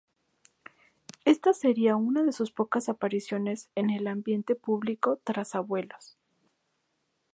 Esta sería una de sus pocas apariciones en el ambiente público tras Abuelos.